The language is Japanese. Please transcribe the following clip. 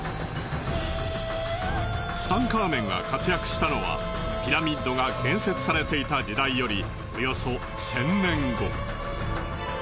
ツタンカーメンが活躍したのはピラミッドが建設されていた時代よりおよそ１０００年後。